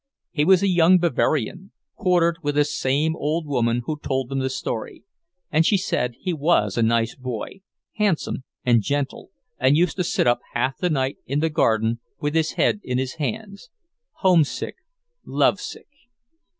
He was a young Bavarian, quartered with this same old woman who told them the story, and she said he was a nice boy, handsome and gentle, and used to sit up half the night in the garden with his head in his hands homesick, lovesick.